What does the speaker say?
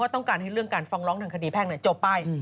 ต้องการให้เรื่องการฟ้องร้องทางคดีแพ่งจบไป